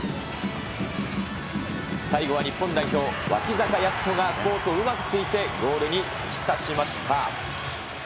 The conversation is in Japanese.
最後は日本代表、脇坂泰斗がコースをうまく突いてゴールに突き刺しました。